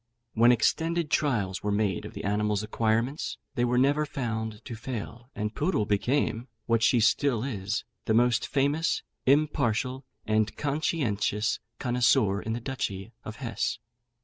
When extended trials were made of the animal's acquirements, they were never found to fail, and Poodle became, what she still is, the most famous, impartial, and conscientious connoisseur in the Duchy of Hesse.